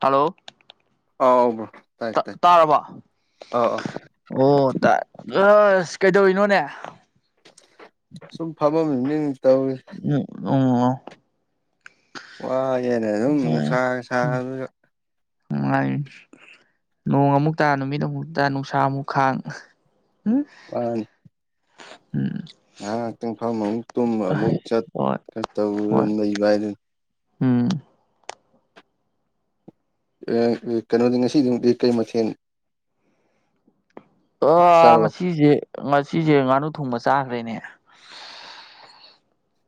hello ꯑꯥꯎ ꯇꯥꯏ ꯇꯥ ꯇꯥꯏ ꯇꯥꯔꯕꯣ ꯑꯥ ꯑꯥ ꯑꯣ ꯇꯥꯏ ꯑꯁ ꯀꯩꯗꯧꯔꯤꯅꯣꯅꯦ ꯁꯨꯝ ꯐꯝꯃꯝꯃꯤꯅꯤ ꯇꯧꯔꯤꯁꯦ ꯑꯨꯝ [unintelligible] ꯋꯥꯌꯦꯅꯦ ꯑꯗꯨꯝ ꯅꯨꯡꯁꯥ ꯁꯥꯥꯕꯗꯨꯗ ꯅꯨꯉꯥꯏꯔꯤ ꯅꯣꯡ ꯑꯃꯨꯛꯇꯥ ꯅꯨꯃꯤꯠ ꯑꯃꯨꯛꯇꯥ ꯅꯨꯡꯁꯥ ꯑꯃꯨꯛ ꯈꯥꯡ [unintelligible] ꯃꯅꯤ ꯑꯨꯝ ꯉꯥꯏꯍꯥꯛ ꯉꯥꯏꯍꯥꯛꯇꯪ ꯐꯝꯃ ꯑꯃꯨꯛ ꯇꯨꯝꯕ ꯑꯃꯨꯛ ꯆꯠ ꯍꯣꯏ ꯇꯧꯗꯅ ꯍꯣꯏ ꯑꯗꯨꯝ ꯂꯩꯕ ꯍꯥꯏꯗꯨꯅ ꯎꯝ ꯀꯩꯅꯣꯗꯤ ꯉꯁꯤꯗꯤ [unintelligible] ꯀꯩ ꯃꯊꯦꯟ ꯑꯥ ꯆꯥꯔꯕ ꯉꯁꯤꯁꯦ ꯉꯁꯤꯁꯦ ꯉꯥꯅꯨ ꯊꯣꯡꯕ ꯆꯥꯈ꯭ꯔꯦꯅꯦ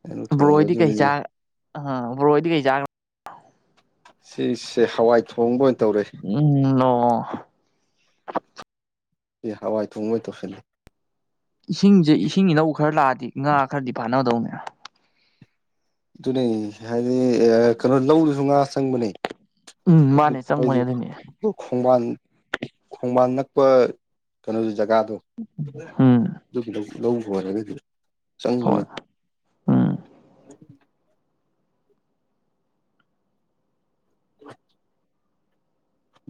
ꯀꯩꯅꯣ ꯕꯔꯣꯍꯣꯏꯗꯤ ꯀꯩ ꯊꯣꯡꯒꯗꯣꯔꯤꯅꯦ ꯆꯥ ꯑ ꯕꯔꯣꯍꯣꯏꯗꯤ ꯀꯩ ꯆꯥꯒ꯭ꯔ ꯁꯤꯁꯦ ꯍꯋꯥꯏ ꯊꯣꯡꯕꯣꯏꯅ ꯎꯝ [unintelligible] ꯑꯦ ꯍꯋꯥꯏ ꯊꯣꯡꯑꯣꯏ ꯇꯧꯁꯜꯂꯤ ꯏꯁꯤꯡꯁꯦ ꯏꯁꯤꯡ ꯏꯅꯧ ꯈꯔ ꯂꯥꯛꯑꯗꯤ ꯉꯥ ꯈꯔꯗꯤ ꯐꯥꯅꯗꯧꯅꯦ ꯑꯗꯨꯅꯦ ꯍꯥꯏꯗꯤ ꯀꯩꯅꯣ ꯂꯧꯗꯁꯨ ꯉꯥ ꯆꯪꯕꯅꯦ ꯎꯝ ꯃꯥꯅꯦ ꯑꯗꯨꯛ ꯆꯪꯕꯅꯦ ꯑꯗꯨꯅꯦ ꯑꯩꯖꯨ ꯈꯣꯡꯕꯥꯟ ꯈꯣꯡꯕꯥꯟ ꯅꯛꯄ ꯀꯩꯅꯣꯗꯨ ꯖꯒꯥꯗꯣ ꯎꯝ ꯗꯨꯕꯨ ꯂꯧ ꯂꯣꯏꯔꯒꯗꯤ ꯆꯪꯕꯅꯦ ꯍꯣꯏ ꯎꯝ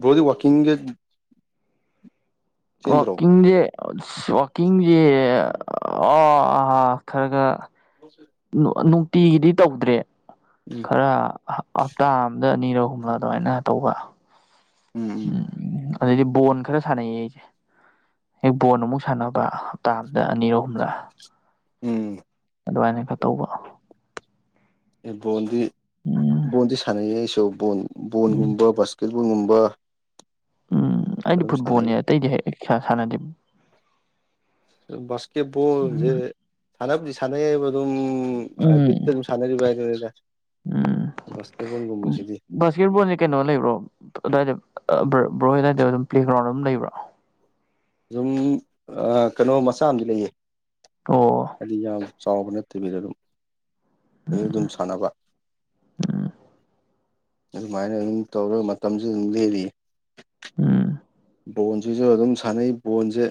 ꯕ꯭ꯔꯣꯗꯤ ꯋꯥꯀꯤꯡꯖꯦ ꯋꯥꯀꯤꯡꯖꯦ ꯑꯁ ꯋꯥꯛꯀꯤꯡꯁꯦ ꯑꯣ ꯈꯔꯥꯈꯔꯥ [inaudible] ꯅꯨꯡꯇꯤꯒꯤꯗꯤ ꯇꯧꯗ꯭ꯔꯦ [inaudible] ꯈꯔ ꯍꯞꯇꯥ ꯑꯝꯗ ꯑꯅꯤꯔꯛ ꯑꯍꯨꯝꯂꯛ ꯑꯗꯨꯃꯥꯏꯅ ꯇꯧꯕ ꯑꯨꯝ ꯑꯨꯝ ꯎꯝ ꯑꯗꯩꯗꯤ ꯕꯣꯟ ꯈꯔ ꯁꯥꯟꯅꯩꯌꯦ ꯑꯩꯁꯦ ꯍꯦꯛ ꯕꯣꯟ ꯑꯃꯨꯛ ꯁꯥꯟꯅꯕ ꯍꯞꯇꯥ ꯑꯝꯗ ꯑꯅꯤꯔꯛ ꯑꯍꯨꯝꯂꯛ ꯑꯨꯝ ꯑꯗꯨꯃꯥꯏꯅ ꯈꯇꯧꯕ ꯕꯣꯟꯗꯤ ꯎꯝ ꯕꯣꯟꯗꯤ ꯁꯥꯟꯅꯩꯌꯦ ꯑꯩꯁꯨ ꯎꯝ ꯕꯣꯟꯒꯨꯝꯕ ꯕꯥꯁꯀꯦꯠꯕꯣꯟꯒꯨꯝꯕ ꯑꯨꯝ ꯑꯩꯗꯤ ꯐꯨꯠꯕꯣꯟꯅꯦ ꯑꯇꯩꯗꯤ ꯍꯩ ꯁꯥꯟ ꯁꯥꯟꯅꯗꯦ ꯕꯥꯁꯀꯦꯠꯕꯣꯜꯖꯦ ꯎꯝ ꯁꯥꯟꯅꯕꯨꯗꯤ ꯁꯥꯟꯅꯩꯕ ꯑꯗꯨꯝ ꯑꯨꯝ ꯎꯝ ꯕꯤꯠꯇ ꯑꯗꯨꯝ ꯁꯥꯟꯅꯔꯤꯕ ꯍꯥꯏꯗꯨꯅꯤꯗ ꯕꯥꯁꯀꯦꯠꯕꯣꯟꯒꯨꯝꯕꯁꯤꯗꯤ ꯀꯦꯠꯕꯣꯟꯖꯦ ꯀꯩꯅꯣ ꯂꯩꯕ꯭ꯔꯣ ꯑꯗꯥꯏꯗ ꯕ꯭ꯔꯣꯏꯍꯣꯏ ꯑꯗꯥꯏꯗ ꯑꯗꯨꯝ ꯄ꯭ꯂꯦꯒ꯭ꯔꯥꯎꯟ ꯑꯗꯨꯝ ꯂꯩꯕ꯭ꯔꯣ ꯖꯨꯝ ꯑꯥ ꯀꯩꯅꯣ ꯃꯆꯥ ꯑꯝꯗꯤ ꯂꯩꯌꯦ ꯑꯣ ꯍꯥꯏꯗꯤ ꯌꯥꯝ ꯆꯥꯎꯕ ꯅꯠꯇꯕꯤꯗ ꯑꯗꯨꯝ ꯑꯗꯗꯨꯝ ꯁꯥꯟꯅꯕ ꯎꯝ ꯑꯗꯨꯃꯥꯏꯅ ꯑꯗꯨꯝ ꯇꯧꯔ ꯃꯇꯝꯖꯦ ꯑꯗꯨꯝ ꯂꯦꯜꯔꯤꯌꯦ ꯎꯝ ꯕꯣꯟꯖꯤꯖꯨ ꯑꯗꯨꯝ ꯁꯥꯟꯅꯩ ꯕꯣꯟꯖꯦ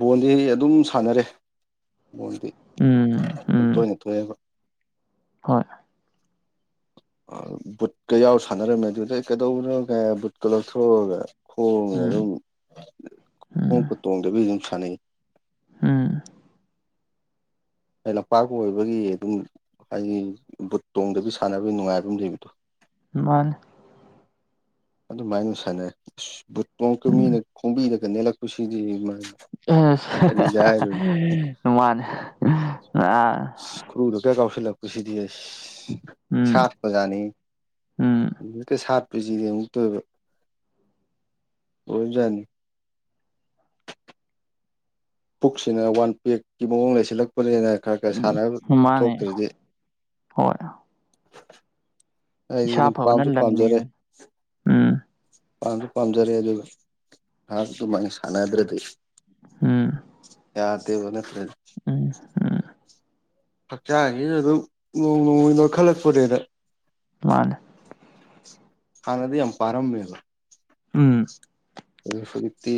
ꯕꯣꯟꯗꯤ ꯑꯗꯨꯝ ꯁꯥꯟꯅꯔꯦ ꯕꯣꯟꯗꯤ ꯎꯝ ꯎꯝ ꯇꯣꯏꯅ ꯇꯣꯏꯅꯕ ꯍꯣꯏ ꯕꯨꯠꯀ ꯌꯥꯎꯔ ꯁꯥꯟꯅꯔꯝꯃꯦ ꯑꯗꯨꯗ ꯑꯩ ꯀꯩꯗꯧꯕꯅꯣ ꯀꯥꯏ ꯕꯨꯠꯀ ꯂꯧꯊꯣꯛ ꯊꯣꯛꯑꯒ ꯈꯣꯡꯅ ꯎꯝ ꯑꯗꯨꯝ ꯎꯝ ꯈꯣꯡꯎꯞꯀ ꯇꯣꯡꯗꯕꯤ ꯑꯗꯨꯝ ꯁꯥꯟꯅꯩ ꯎꯝ ꯑꯩ ꯂꯝꯄꯥꯛꯄꯨ ꯑꯣꯏꯕꯒꯤ ꯑꯗꯨꯝ ꯍꯥꯏꯗꯤ ꯕꯨꯠ ꯇꯣꯡꯗꯕꯤ ꯁꯥꯟꯅꯕꯒꯤ ꯅꯨꯡꯉꯥꯏꯕ ꯑꯝꯗꯤ ꯂꯩꯕꯗꯣ ꯃꯥꯅꯤ ꯑꯗꯨꯃꯥꯏꯅ ꯁꯥꯟꯅꯩ ꯑꯁ ꯕꯨꯠ ꯇꯣꯡꯀ ꯃꯤꯅ ꯎꯝ ꯈꯣꯝꯕꯤꯗꯒ ꯅꯦꯜꯂꯛꯄꯁꯤꯗꯤ ꯏꯃꯥꯏ ꯃꯥꯅꯦ ꯑ ꯑꯁ ꯈꯨꯔꯨꯗ ꯀ ꯀꯥꯎꯁꯜꯂꯥꯛ ꯄꯁꯤꯗꯤ ꯁꯥ ꯎꯝ ꯑꯣꯖꯥꯅꯤ ꯎꯝ ꯂꯨꯏꯀ ꯁꯥꯠꯄꯔꯤꯖꯤꯗꯤ ꯑꯃꯨꯛ ꯇꯑꯣꯏꯕ ꯑꯣꯏꯕꯖꯠꯅꯤ ꯄꯨꯛꯁꯤꯅ ꯋꯥꯟ ꯄꯦꯛꯀꯤ ꯃꯑꯣꯡ ꯂꯩꯁꯜꯂꯛ ꯄꯨꯅꯦꯅ ꯈꯔ ꯈꯔ ꯁꯥꯟꯅꯕ ꯃꯥꯅꯦ ꯊꯣꯛꯇ꯭ꯔꯗꯤ ꯍꯣꯏ ꯑꯩꯗꯤ ꯑꯗꯨꯝ ꯄꯥꯝꯖꯨ ꯄꯥꯝꯖꯔꯦ ꯑꯝ ꯄꯥꯝꯖꯨ ꯄꯥꯝꯖꯔꯦ ꯑꯗꯨꯒ ꯉꯍꯥꯛ ꯑꯗꯨꯃꯥꯏꯅ ꯁꯥꯟꯅꯗ꯭ꯔꯗꯤ ꯎꯝ ꯌꯥꯗꯦꯕ ꯅꯠꯇ꯭ꯔꯗꯤ ꯎꯝ ꯎꯝ ꯍꯛꯆꯥꯡꯖꯤꯒ ꯑꯗꯨꯝ ꯅꯣꯡ ꯅꯣꯡꯃꯒꯤ ꯅꯣꯏ ꯈꯜꯂꯛꯄꯔꯦꯗ ꯃꯅꯩ ꯍꯥꯟꯅꯗꯤ ꯌꯥꯝ ꯄꯔꯝꯃꯦꯕ ꯎꯝ ꯑꯗꯨ ꯍꯧꯖꯤꯛꯇꯤ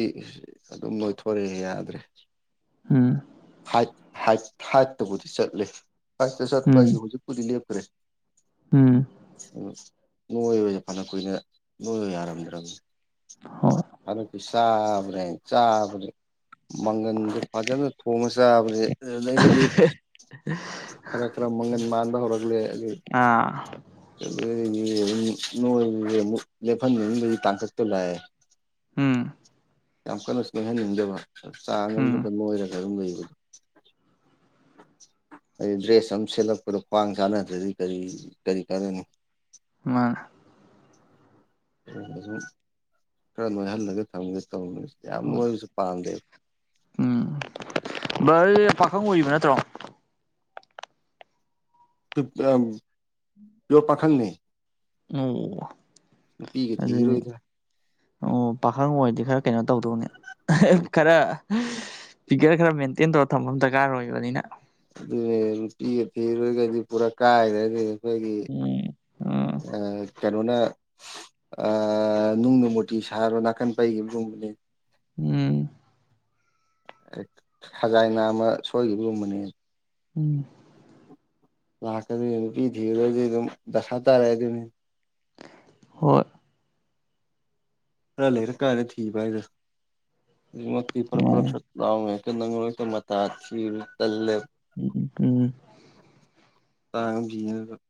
ꯑꯗꯨꯝ ꯅꯣꯏꯊꯣꯔꯛꯑꯦ ꯌꯥꯗ꯭ꯔꯦ ꯎꯝ ꯍꯥꯏꯠ ꯍꯥꯏꯠ ꯍꯥꯏꯠꯇꯕꯨꯗꯤ ꯆꯠꯂꯦ ꯍꯥꯏꯠꯇ ꯆꯠꯄ ꯍꯥꯏꯖꯦ ꯎꯝ ꯍꯧꯖꯤꯛꯄꯨꯗꯤ ꯂꯦꯞꯈ꯭ꯔꯦ ꯎꯝ ꯑꯨꯝ ꯅꯣꯏꯕꯖꯦ ꯐꯅ ꯀꯨꯏꯅ ꯅꯣꯏꯕ ꯌꯥꯔꯝꯗ꯭ꯔꯝꯅꯤ ꯍꯣꯏ ꯍꯟꯗꯛꯇꯤ ꯆꯥꯕꯅꯦ ꯆꯕꯖꯤ ꯃꯪꯒꯟꯗꯨ ꯐꯖꯅ ꯊꯣꯡꯉ ꯆꯥꯕꯖꯦ ꯑꯗꯒꯤꯗꯤ [inaudible] ꯈꯔ ꯈꯔ ꯃꯪꯒꯟ ꯃꯥꯟꯕ ꯍꯧꯔꯛꯂꯦ ꯑꯗꯨꯏ ꯑꯥ [unintelligible] ꯎꯝ ꯌꯥꯝ ꯀꯟꯅꯁꯨ ꯅꯣꯏꯍꯟꯅꯤꯡꯗꯕ ꯆꯥꯡ ꯎꯝ ꯑꯃꯝꯗꯒ ꯅꯣꯏꯔꯒ ꯑꯗꯨꯝ ꯂꯩꯕ ꯍꯥꯏꯗꯤ ꯗ꯭ꯔꯦꯁ ꯑꯃ ꯁꯦꯠꯂꯛꯄꯗ ꯈ꯭ꯋꯥꯡ ꯆꯥꯟꯅꯗ꯭ꯔꯗꯤ ꯀꯔꯤ ꯀꯔꯤ ꯀꯥꯟꯅꯅꯤ ꯃꯥ ꯁꯨꯝ ꯑꯗꯨꯝ ꯈꯔ ꯅꯣꯏꯍꯜꯂꯒ ꯊꯝꯒꯦ ꯇꯧꯅꯤ ꯍꯣꯏ ꯌꯥꯝꯅꯣꯏꯕꯁꯨ ꯄꯥꯝꯗꯦ ꯎꯝ ꯚꯔꯁ ꯄꯥꯈꯪ ꯑꯣꯏꯔꯤꯕ ꯅꯠꯇ꯭ꯔꯣ ꯌꯣꯔ ꯄꯥꯈꯪꯅꯤ ꯑꯣ ꯅꯨꯄꯤꯒ ꯑꯗꯨ ꯊꯤꯔꯣꯏꯗ ꯑꯣ ꯄꯥꯈꯪ ꯑꯣꯏꯔꯗꯤ ꯈꯔ ꯀꯩꯅꯣ ꯇꯧꯗꯧꯅꯦ ꯈꯔ ꯐꯤꯒꯔ ꯈꯔ ꯃꯦꯟꯇꯦꯟ ꯇꯧꯔ ꯊꯝꯕ ꯑꯃ ꯗꯔꯀꯥꯔ ꯑꯣꯏꯕꯅꯤꯅ ꯑꯗꯨꯅꯦ ꯅꯨꯄꯤꯤꯒ ꯊꯤꯔꯣꯏꯒꯗꯤ ꯄꯨꯔꯥ ꯀꯥꯏꯔꯗꯤ ꯑꯩꯈꯣꯏꯒꯤ ꯎꯝ ꯎꯝ ꯑ ꯀꯩꯅꯣꯅ ꯑ ꯅꯨꯡꯅ ꯃꯨꯔꯇꯤ ꯁꯥꯔꯣ ꯅꯥꯀꯟ ꯄꯩꯈꯤꯕꯒꯨꯝꯕꯅꯦ ꯎꯝ ꯈꯖꯥꯏ ꯅꯝꯃ ꯁꯣꯏꯈꯤꯕꯒꯨꯝꯕꯅꯦ ꯎꯝ ꯂꯥꯛꯀꯗꯣꯏꯅꯤ ꯅꯨꯄꯤ ꯊꯤꯔꯨꯔꯗꯤ ꯑꯗꯨꯝ ꯗꯁꯥ ꯇꯥꯔꯛꯏ ꯗꯨꯅꯦ ꯍꯣꯏ ꯈꯔ ꯂꯩꯔ ꯀꯥꯟꯗ ꯊꯤꯕ ꯍꯥꯏꯗ‌ꯣ ꯃꯤ [unintelligible] ꯄꯨꯔ ꯄꯨꯂꯞ ꯥꯗꯥ ꯎꯃ‌ꯦꯁꯀ ꯅꯪꯔꯣꯏ ꯃꯇꯥꯊꯤꯝ ꯇꯜꯂ‌ꯦꯕ [unintelligible] [unintelligible]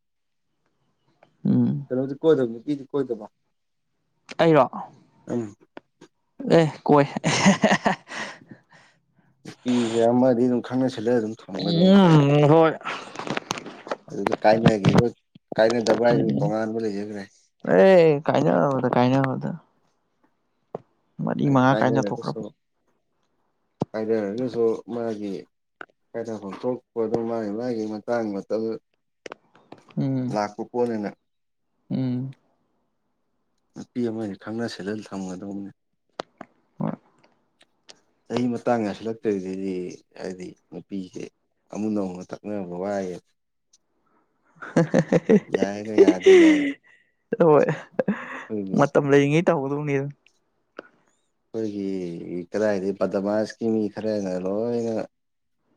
ꯎꯝ ꯀꯩꯅꯣꯗꯤ ꯀꯣꯏꯗꯕ ꯅꯨꯄꯤꯗꯤ ꯀꯣꯏꯗꯕ ꯑꯩꯔꯣ ꯎꯝ ꯑꯦ ꯀꯣꯏ ꯅꯨꯄꯤꯁꯦ ꯑꯃꯗꯤ ꯑꯗꯨꯝ ꯈꯪꯅꯁꯤꯜꯂꯦ ꯑꯗꯨꯝ ꯊꯝꯒꯗꯧꯅꯤ [unintelligible] ꯍꯣꯏ ꯑꯗꯨꯗ ꯀꯥꯏꯅꯈꯤꯕ ꯀꯥꯏꯅꯗꯕꯔ ꯍꯥꯏꯗꯨ ꯎꯝ ꯇꯣꯉꯥꯟꯕ ꯂꯩꯖꯈ꯭ꯔꯦ ꯑꯦ ꯀꯥꯏꯅꯔ‌ꯣꯏꯗ ꯀꯥꯏꯅꯔ‌ꯣꯏꯗ ꯑ ꯀꯥꯏꯅꯒꯁꯨ ꯀꯥꯏꯅꯊꯣꯛꯈ꯭ꯔꯕ ꯀꯥꯏꯅꯔꯒꯁꯨ ꯃꯥꯒꯤ ꯀꯥꯏꯗꯐꯝ ꯊꯣꯛꯄꯗꯣ ꯃꯥꯒꯤ ꯃꯥꯒꯤ ꯃꯇꯥꯡ ꯃꯇꯝ ꯎꯝ ꯂꯥꯛꯄ ꯄꯣꯠꯅꯤꯅ ꯎꯝ ꯅꯨꯄꯤ ꯑꯃ ꯈꯪꯅ ꯁꯤꯜꯂ ꯊꯝꯒꯗꯧꯕꯅꯤ ꯍꯣꯏ ꯆꯍꯤ ꯃꯇꯥꯡ ꯌꯥꯁꯤꯜꯂꯛꯇꯔꯗꯗꯤ ꯍꯥꯏꯗꯤ ꯅꯨꯄꯤꯁꯦ ꯑꯃꯨꯛ ꯅꯧꯅ ꯇꯛꯅꯕ ꯋꯥꯏꯌꯦ ꯌꯥꯏꯒ ꯌꯥꯗꯦꯒ [unintelligible] ꯍꯣꯏ ꯑꯩꯈꯣꯏꯒꯤ ꯃꯇꯝ ꯂꯩꯔꯤꯉꯩ ꯇꯧꯍꯧꯗꯧꯅꯤꯗ ꯑꯩꯈꯣꯏꯒꯤ ꯀꯗꯥꯏꯗꯩ ꯄꯗꯃꯥꯁꯀꯤ ꯃꯤ ꯈꯔꯅ ꯂꯣꯏꯅ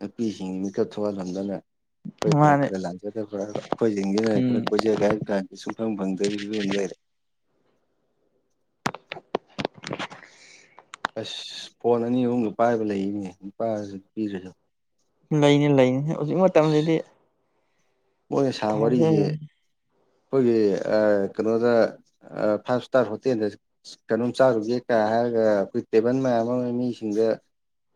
ꯅꯨꯄꯤꯁꯤꯡ ꯃꯤꯀꯠ ꯊꯣꯛꯍꯜꯂꯝꯗꯅ ꯑꯩꯈ‌ꯣꯏ ꯈꯔ ꯃꯥꯅꯦ ꯈꯔ ꯂꯥꯟꯖꯗꯕ ꯑꯩꯈ‌ꯣꯏ ꯖꯤꯡꯁꯤꯅ ꯈꯔ ꯎꯝ ꯀꯣꯏꯖꯥꯒ‌ꯦ ꯍꯥꯏ ꯀꯗꯤ ꯁꯨꯡꯐꯝ ꯐꯪꯗꯕꯩ ꯐꯤꯕꯝꯗ [unintelligible] ꯑꯁ ꯐꯣꯟ ꯑꯅꯤ ꯑꯍꯨꯝꯒ ꯄꯥꯏꯕ ꯂꯩꯅꯦ ꯅꯨꯄꯥꯗꯁꯨ ꯅꯨꯄꯤꯗꯁꯨ ꯂꯩꯅꯤ ꯂꯩꯅꯤ ꯍꯧꯖꯤꯛ ꯃꯇꯝꯁꯤꯗꯤ ꯃꯣꯏꯅ ꯁꯥꯕ ꯋꯥꯔꯤꯁꯦ ꯊꯥꯖꯔꯦ ꯑꯩꯈꯣꯏꯒꯤ ꯀꯩꯅꯣꯗ ꯐꯥꯏꯚ ꯏꯁꯇꯥꯔ ꯍꯣꯇꯦꯜꯗ ꯀꯩꯅꯣꯝ ꯆꯥꯔꯨꯒꯦ ꯀꯥꯏ ꯍꯥꯏꯔꯒ ꯑꯩꯈꯣꯏ ꯇꯦꯕꯜ ꯃꯌꯥꯝ ꯑꯃ ꯃꯤꯁꯤꯡꯗ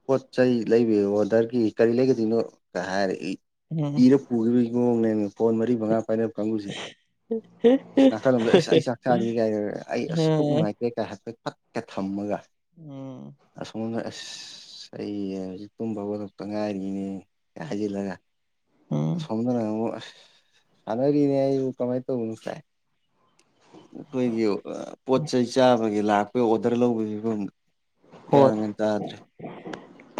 ꯄꯣꯠ ꯆꯩ ꯂꯩꯕꯤ ꯑꯣꯗꯔꯒꯤ ꯀꯔꯤ ꯂꯩꯒꯗꯣꯏꯅꯣ ꯀ ꯍꯥꯏꯔ ꯏ ꯎꯝ ꯏꯔ ꯄꯨꯈꯤꯕꯒꯤ ꯃꯑꯣꯡꯅꯦꯃ‌ꯦ ꯐꯣꯟ ꯃꯔꯤ ꯃꯉꯥ ꯄꯥꯏꯔ ꯀꯥꯡꯒꯨꯁꯦ ꯁꯤ ꯅꯥꯀꯜꯂꯝꯗ ꯑꯁ ꯑꯩ ꯆꯥꯛ ꯆꯥꯗꯔꯤ ꯀꯥꯏꯅ ꯑꯩ ꯑꯁ ꯄꯨꯛ ꯅꯨꯡꯉꯥꯏ ꯇ‌ꯦ ꯀ ꯍꯥꯏꯐ‌ꯦꯠ ꯐꯠꯀ ꯊꯝꯃꯒ ꯎꯝ ꯑꯁꯣꯝꯅ ꯑꯁ ꯑꯩ ꯍꯧꯖꯤꯛ ꯇꯨꯝꯕ ꯍꯧꯒꯠꯂꯛꯇ ꯉꯥꯏꯔꯤꯅꯦ ꯀ ꯍꯥꯏꯖꯤꯜꯂꯒ ꯎꯝ ꯁ‌ꯣꯝꯗꯅꯃꯨꯛ ꯑꯁ [unintelligible] ꯀꯃꯥꯏ ꯇꯧꯕꯅ‌ꯣ ꯀꯥꯏ ꯑꯩꯈꯣꯏꯒꯤ ꯄꯣꯠ ꯆꯩ ꯆꯥꯕꯒꯤ ꯂꯥꯛ ꯑꯈꯣꯏ ꯑꯣꯗꯔ ꯂꯧꯕꯒꯤ ꯔꯨꯝ ꯒ꯭ꯌꯥꯟꯃꯦꯟ ꯇꯥꯗ꯭ꯔꯦ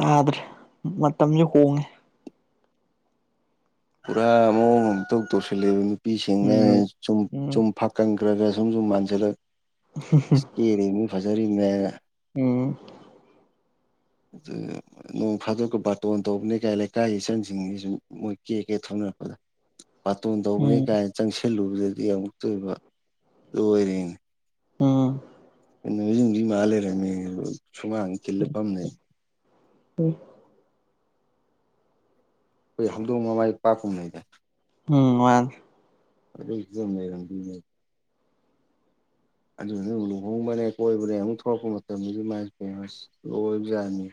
ꯌꯥꯗ꯭ꯔꯦ ꯃꯇꯝꯁꯦ ꯍꯣꯡꯉꯦ ꯄꯨꯔꯥ ꯃꯑꯣꯡ ꯑꯃ ꯏꯇꯧ ꯇꯧꯁꯤꯜꯂꯛꯑꯦ ꯅꯨꯄꯤꯁꯤꯡꯅꯦꯅ ꯎꯝ ꯆꯨꯝ ꯎꯝ ꯆꯨꯝꯐꯛ ꯀꯪꯈ꯭ꯔꯒ ꯁꯨꯝ ꯁꯨꯝ ꯃꯥꯟꯁꯤꯜꯂꯛ ꯍꯍꯨꯝ [unintelligible] [inaudible] ꯐꯖꯔꯤꯝꯅꯦꯅ ꯎꯝ ꯑꯗꯨꯅ ꯑꯗ‌ꯣ ꯅꯣꯡ ꯐꯥꯗꯣꯛꯀ ꯕꯥꯔꯇꯣꯟ ꯇꯧꯕꯅꯦ ꯀꯥꯏ ꯂꯩꯀꯥꯏꯒꯤ ꯏꯆꯜꯁꯤꯡꯁꯤꯁꯨ ꯃꯣꯏ ꯀꯦ ꯀꯦ ꯊꯣꯛꯅꯔꯛꯄꯗ ꯕꯥ꯭ꯔꯇꯣꯟ ꯇꯧꯕꯅ‌ꯦ ꯎꯝ ꯀꯥꯏꯅ ꯆꯪꯁꯤꯜꯂꯨꯕꯗꯗꯤ ꯑꯃꯨꯛꯇꯣꯏꯕ ꯂꯣꯏꯔꯦꯅ‌ꯦ ꯎꯝ ꯅꯨꯝꯃꯤꯠ ꯌꯨꯡꯕꯤ ꯃꯥꯟ ꯂꯩꯔꯝꯃꯦꯅ‌ꯦ ꯁꯨꯃꯥꯡꯁꯤꯗ ꯈꯤꯜꯂ ꯐꯝ ꯂꯩꯔꯝꯃꯦ [unintelligible] ꯑꯈꯣꯏ ꯍꯧꯗꯣꯡ ꯃꯃꯥꯏ ꯄꯥꯛꯄꯃꯥ ꯂꯩꯗꯥꯏ ꯎꯝ ꯃꯥꯅꯦ ꯑꯗꯨꯏ ꯗꯨꯝ ꯂꯩꯔꯝꯗꯨꯏꯅ‌ꯦꯕ ꯑꯗꯨꯅꯅꯦ ꯂꯨꯍꯣꯡꯕꯅꯦ ꯀꯣꯏꯕꯅꯦ ꯑꯃꯨꯛ ꯊꯣꯛꯔꯛꯄ ꯃꯇꯝꯗꯗꯤ ꯏꯃꯥꯥꯏ ꯄꯦꯝꯃ ꯂ‌ꯣꯏꯕꯖꯥꯠꯅꯤ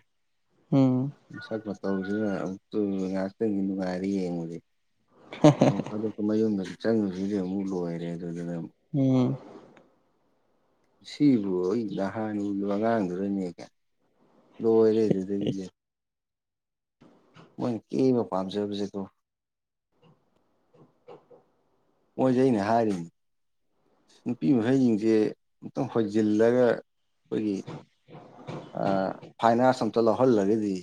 ꯎꯝ ꯃꯁꯛ ꯃꯇꯧꯁꯤꯅ ꯑꯃꯨꯛꯇꯣꯏꯕ ꯉꯥꯏꯍꯥꯛꯇꯪꯒꯤ ꯅꯨꯡꯉꯥꯏꯔꯦ ꯌꯦꯡꯕꯗꯤ ꯅꯣꯡ ꯐꯥꯗꯣꯛꯀ ꯃꯌꯨꯝꯗ ꯆꯪꯉꯨꯕꯁꯤꯗꯤ ꯑꯃꯨꯛ ꯂꯣꯏꯔꯦ ꯑꯗꯨꯗꯨꯗ ꯗꯨꯝ ꯎꯝ ꯁꯤꯕꯨ ꯑꯩ ꯅꯍꯥꯟ ꯎꯒꯤꯕ ꯑꯉꯥꯡꯗꯨꯔꯅꯦ ꯂꯣꯏꯔꯦ ꯑꯗꯨꯗꯒꯤꯗꯤ ꯃꯣꯏꯅ ꯀꯦꯕ ꯄꯥꯝꯖꯕꯁꯦꯀꯣ ꯃꯣꯏꯁꯦ ꯑꯩꯅ ꯍꯥꯏꯔꯤꯅꯦ ꯅꯨꯄꯤ ꯃꯈꯩꯖꯤꯡꯁꯦ ꯑꯃꯨꯛꯇꯪ ꯍꯣꯏꯖꯤꯜꯂꯒ ꯈꯣꯏꯒꯤ ꯑ ꯐꯥꯏꯟ ꯑꯥ꯭ꯔꯠꯁ ꯑꯝꯇ ꯂꯧꯍꯜꯂꯒꯗꯤ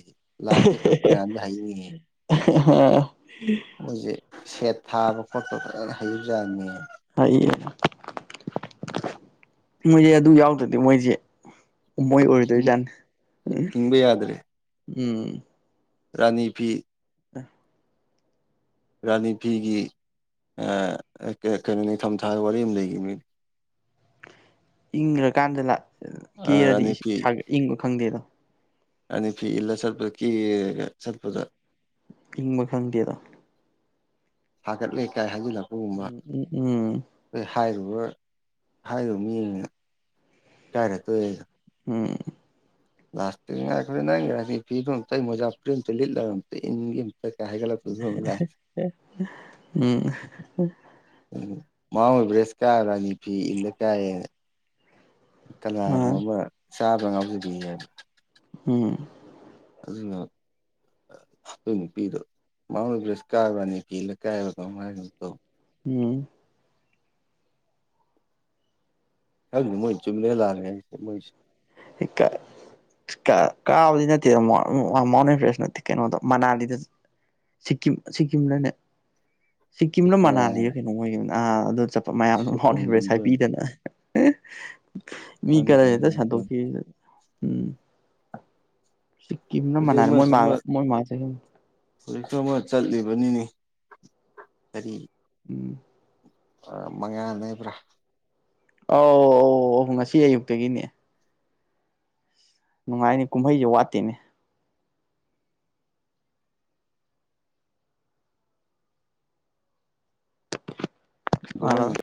ꯂꯥꯏ ꯌꯦꯛꯄꯗꯤ ꯐꯅꯌꯥꯝꯗꯤ ꯍꯩꯅꯤꯍꯦ [inaudible] ꯃꯣꯏꯁꯦ ꯁꯦꯠ ꯊꯥꯕ ꯈꯣꯠꯄ ꯐꯖꯅ ꯍꯩꯕꯖꯥꯠꯅꯤꯍꯦ ꯍꯩꯌꯦ ꯃꯣꯏꯁꯦ ꯑꯗꯨꯝ ꯌꯥꯎꯗ꯭ꯔꯗꯤ ꯃꯣꯏꯁꯦ ꯃꯣꯏ ꯑꯣꯏꯔꯣꯏꯗꯣꯏꯖꯥꯠꯅꯤ ꯍꯤꯡꯕ ꯌꯥꯗ꯭ꯔꯦ ꯎꯝ ꯔꯥꯅꯤ ꯐꯤ ꯑ ꯔꯥꯅꯤ ꯐꯤꯒꯤ ꯑ ꯀꯩꯅꯣ ꯅꯤꯡꯊꯝꯊꯥꯗ ꯋꯥꯔꯤ ꯑꯃ ꯂꯩꯒꯤꯝꯅꯦ ꯏꯪꯈ꯭ꯔꯀꯥꯟꯗꯒ ꯀꯦꯔꯥꯗꯤ ꯔꯥꯅꯤ ꯐꯤ ꯏꯁꯥ ꯏꯪꯕ ꯈꯪꯗꯦꯗꯣ ꯔꯥꯅꯤ ꯐꯤ ꯏꯟꯂ ꯆꯠꯄꯗ ꯀꯦꯔꯥꯒ ꯆꯠꯄꯗ ꯏꯪꯕ ꯈꯪꯗꯦꯗ‌ꯣ ꯍꯥꯒꯠꯂꯦ ꯀꯥꯏ ꯍꯥꯏꯖꯤꯟꯂ‌ꯣ ꯎꯝ ꯎꯝ ꯎꯝ ꯑ‌ꯣꯏ ꯍꯥꯏꯔꯨꯕ ꯍꯥꯏꯔꯨꯕ ꯃꯤꯅ ꯏꯀꯥꯏꯔꯛꯇ‌ꯣꯔ‌ꯦ ꯎꯝ ꯂꯥꯁꯇ ꯉꯥꯏꯈꯣꯍꯦ ꯅꯪꯒꯤ ꯔꯥꯅꯤ ꯐꯤꯗꯣ ꯑꯝꯇ ꯃꯣꯓ ꯐꯨꯔꯤꯠ ꯑꯝꯇ ꯂꯤꯠꯂꯒ ꯑꯝꯇ ꯏꯟꯒꯦ ꯑꯝꯇ ꯀꯥꯏ ꯍꯥꯏꯒꯠꯂꯛꯇꯨꯏꯅꯦ [unintelligible] ꯎꯝ ꯎꯝ ꯃꯥꯎꯟ ꯑꯦꯚꯔꯦꯁ ꯀꯥꯔ ꯔꯥꯅꯤ ꯐꯤ ꯏꯟꯂ ꯀꯥꯏ ꯍꯥꯏꯌꯦ ꯀꯅꯅꯣ ꯑꯃ ꯆꯥꯕꯗ ꯉꯥꯎꯖꯕꯤ ꯍꯥꯏꯗꯣ ꯎꯝ ꯑꯗꯨꯅ ꯑꯗꯨ ꯅꯨꯄꯤꯗꯣ ꯃꯥꯎꯟ ꯑꯦꯕꯔꯦꯁ ꯀꯥꯕ ꯔꯥꯅꯤ ꯐꯤ ꯏꯟꯂ ꯀꯥꯏ ꯍꯥꯏꯕ꯭ꯔ ꯀꯩꯅꯣꯝ ꯍꯥꯏꯈꯤꯒꯨꯝ ꯇꯧꯕꯅꯦ ꯎꯝ ꯑꯗꯨꯏ ꯃꯣꯏ ꯆꯨꯝꯃ‌ꯦꯔ ꯂꯥꯟꯒ‌ꯦꯔ ꯃꯣꯏꯁꯦ ꯏꯀ ꯀꯥꯕꯗꯤ ꯅꯠꯇꯦ ꯃꯥꯎ ꯃꯥꯎꯟ ꯃꯥꯎꯟ ꯑꯦꯕ‍꯭ꯔ‌ꯦꯁ ꯅꯠꯇꯦ ꯀꯩꯅꯣꯗꯣ ꯃꯅꯥꯂꯤꯗ ꯁꯤꯀꯤꯝ ꯁꯤꯀꯤꯝ ꯂꯅꯦ ꯁꯤꯛꯀꯤꯝꯅ ꯃꯅꯥꯂꯤꯔ ꯀꯩꯅꯣꯝ ꯑꯣꯏꯒꯤꯝꯅ‌ꯦ ꯑ ꯑꯗꯨ ꯆꯠꯄ ꯃꯌꯥꯝꯗꯣ ꯃꯥꯎꯟ ꯑꯦꯚ꯭ꯔꯦꯁ ꯁꯦꯀꯦꯟꯒꯨꯝꯕꯗ ꯑꯣꯏꯅ ꯍꯥꯏꯕꯤꯗꯅ ꯃꯤ ꯀꯔ ꯈꯪꯗꯦꯗ ꯍ‌ꯦꯛ ꯑꯗꯨꯝ ꯁꯟꯇꯣꯛ ꯇꯧꯋꯦ ꯎꯝ ꯁꯤꯀꯤꯝꯅ ꯍꯧꯖꯤꯛ ꯃꯥꯅ ꯃꯣꯏ ꯑꯃꯁꯨ ꯃꯥ ꯑꯃ ꯃꯣꯏ ꯃꯥ ꯆꯠꯃꯤꯟ ꯍꯧꯖꯤꯛꯁꯨ ꯑꯃꯥ ꯆꯠꯂꯤꯕꯅꯤꯅꯦ ꯑꯩ ꯎꯝ ꯑꯥ ꯃꯉꯥ ꯂꯩꯕ꯭ꯔꯥ ꯑꯧ ꯑꯧ ꯑꯩ ꯉꯁꯤ ꯑꯌꯨꯛꯇꯒꯤꯅꯦ ꯅꯨꯡꯉꯥꯏꯅ‌ꯦ ꯀꯨꯝꯍꯩꯖ‌ꯦ ꯋꯥꯠꯇꯦꯅꯦ ꯍꯜꯂꯣ ꯨꯀꯨꯃꯩ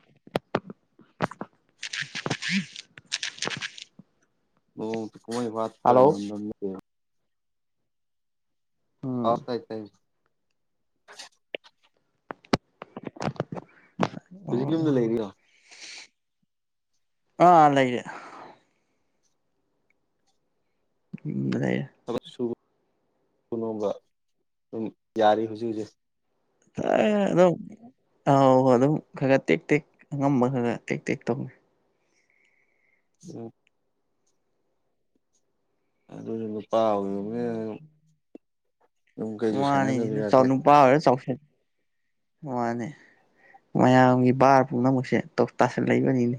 ꯅ‌ꯣꯡ ꯃꯇꯥ ꯀꯨꯃꯩ ꯋꯥꯠꯄꯔꯥ ꯍꯜꯂꯣ ꯅꯪ ꯅꯪ ꯕ‌ꯣ ꯑꯥ ꯎꯝ ꯇꯥꯏ ꯇꯥꯏ ꯍꯧꯖꯤꯛ ꯌꯨꯝꯗ ꯀꯅꯥ ꯂꯩꯔꯤꯔꯣ ꯀꯅꯥ ꯂꯩꯒ‌ꯦ ꯌꯨꯝꯗꯥ ꯂꯩꯌ‌ꯦ ꯊꯕꯛ ꯁꯨꯕ ꯅꯣꯝꯕ ꯑꯗꯨꯝ ꯌꯥꯔꯤ ꯍꯧꯖꯤꯛ ꯍꯧꯖꯤꯛ ꯇꯥꯏꯌ‌ꯦ ꯑꯗꯨꯝ ꯇꯥꯑ‌ꯣ ꯑꯗꯨꯝ ꯈꯒꯥ ꯇꯦꯛ ꯇꯦꯛ ꯑꯉꯝꯕ ꯈꯒꯥ ꯇꯦꯛ ꯇꯦꯛ ꯇꯧꯅ‌ꯦ ꯎꯝ ꯑꯗꯨꯖꯨ ꯅꯨꯄꯥ ꯑꯣꯏꯔꯨꯝ ꯅꯤꯅꯥ ꯃꯥꯅꯤꯅ‌ꯦ ꯆꯥꯎ ꯅꯨꯄꯥ ꯑꯣꯏꯔ ꯆꯥꯎꯁꯦꯠ ꯃꯥꯅꯦ ꯃꯌꯥꯝꯒꯤ ꯕꯥꯔ ꯄꯨꯝꯅꯃꯛꯁꯦ ꯇꯧ ꯇꯁꯤꯟꯂꯛꯏꯕꯅꯤꯅꯦ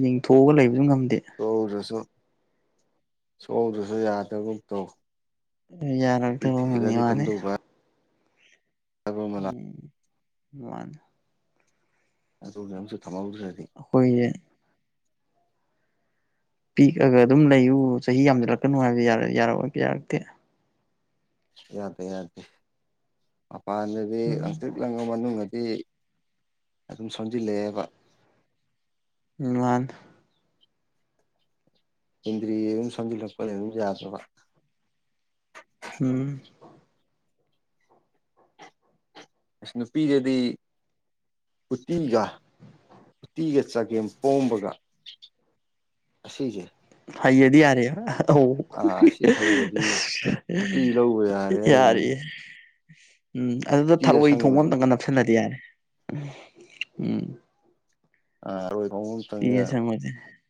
ꯌꯦꯡꯊꯣꯛꯑꯒ ꯂꯩꯕꯖꯨ ꯉꯝꯗꯦ ꯁꯨꯍꯧꯗꯔꯁꯨ ꯁꯨꯍꯧꯗꯔꯁꯨ ꯌꯥꯗꯒꯨꯝ ꯇꯧ ꯅꯨꯄꯤ ꯌꯥꯔꯛꯇꯕ ꯑꯃꯅꯤ ꯊꯤꯖꯜꯂꯗꯤ ꯃꯥꯅꯦ ꯀꯝꯗꯧ ꯕꯥ ꯎꯝ ꯃꯥꯅ‌ꯦ ꯑꯗꯨ ꯃꯌꯥꯝꯖꯨ ꯊꯝꯍꯧꯗ꯭ꯔꯥꯗꯤ ꯑꯈꯣꯏꯖ‌ꯦ ꯄꯤꯛꯑꯒ ꯑꯗꯨꯝ ꯂꯩꯌꯨ ꯆꯍꯤ ꯌꯥꯝꯖꯜꯂꯛꯀꯅꯨ ꯍꯥꯏꯕ ꯖ‌ꯦ ꯌꯥꯔꯛ ꯌꯥꯔꯛ ꯑꯣꯒꯥ ꯌꯥꯔꯛꯇꯦ ꯌꯥꯗ‌ꯦ ꯌꯥꯗꯦ ꯃꯄꯥꯟꯗꯗꯤ ꯎꯝ ꯂ‌ꯪꯇꯔꯤꯛ ꯂꯪꯉꯥ ꯃꯅꯨꯡꯗꯗꯤ ꯑꯗꯨꯝ ꯁꯣꯟꯖꯤꯟ ꯂꯛꯑꯦꯕ ꯎꯝ ꯃꯥꯅ‌ꯦ ꯏꯟꯗ꯭ꯔꯤ ꯑꯗꯨꯝ ꯁ‌ꯣꯟꯖꯤꯟ ꯂꯛꯄꯗꯩ ꯑꯗꯨꯝ ꯌꯗ꯭ꯔꯥꯕ ꯎꯝ ꯏꯁ ꯅꯨꯄꯤꯗꯥꯗꯤ ꯎꯇꯤꯒ ꯎꯇꯤꯒ ꯆꯒꯦꯝ ꯄꯣꯝꯕꯒꯥ ꯑꯁꯤꯖ‌ꯦ ꯍꯩꯔꯗꯤ ꯌꯥꯔꯦꯕꯥ ꯑꯁꯤ ꯍꯩꯔꯗꯤ ꯑꯁ ꯅꯨꯄꯤ ꯂꯧꯕ ꯌꯥꯔꯦ ꯌꯥꯔ‌ꯦ ꯎꯝ ꯑꯗꯨꯗ ꯎꯇꯤ ꯊꯔꯣꯏ ꯊꯣꯡꯕ ꯑꯁꯪꯕꯁꯦ ꯑꯝꯇꯪꯒ ꯅꯞꯁꯟꯅꯗꯤ ꯌꯥꯔꯦ ꯎꯝ ꯎꯝ [unintelligible] [unintelligible]